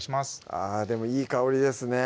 あぁでもいい香りですね